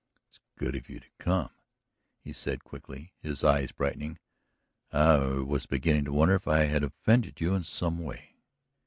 "It's good of you to come!" he said quickly, his eyes brightening. "I was beginning to wonder if I had offended you in some way?